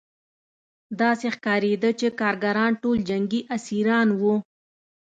داسې ښکارېده چې کارګران ټول جنګي اسیران وو